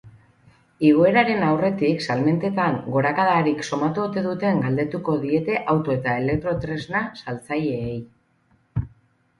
Igoeraren aurretik salmentetan gorakadarik somatu ote duten galdetuko diete auto eta elektrotresna saltzaileei.